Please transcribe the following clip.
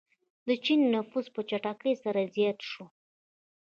د چین نفوس په چټکۍ سره زیات شو.